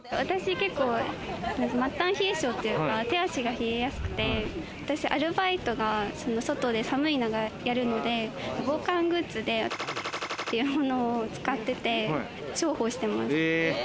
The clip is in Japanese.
末端冷え性っていうか、手足が冷えやすくて、アルバイトが外で寒い中やるので防寒グッズを使ってて重宝してます。